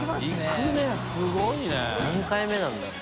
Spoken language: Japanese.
金指）何回目なんだろう？